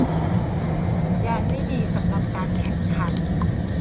สัญญาณไม่ดีสำหรับการแข่งขัน